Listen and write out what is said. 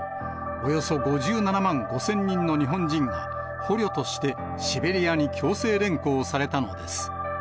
およそ５７万５０００人の日本人が捕虜としてシベリアに強制連行されたのです。